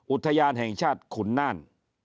อุทยานแห่งชาติขุนน่าน